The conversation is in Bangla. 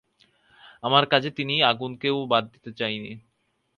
আমার কাজে আমি আগুনকে বাদ দিতে চাই নে।